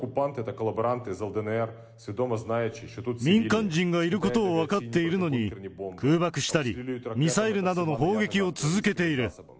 民間人がいることを分かっているのに、空爆したり、ミサイルなどの砲撃を続けている。